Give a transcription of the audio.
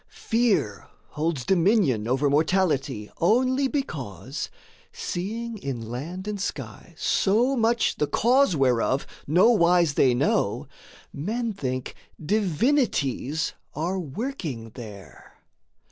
Fear holds dominion over mortality Only because, seeing in land and sky So much the cause whereof no wise they know, Men think Divinities are working there.